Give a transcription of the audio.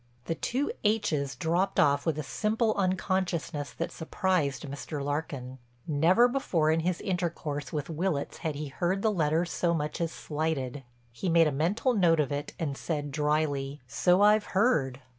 The two h's dropped off with a simple unconsciousness that surprised Mr. Larkin. Never before in his intercourse with Willitts had he heard the letter so much as slighted. He made a mental note of it and said dryly: "So I've heard."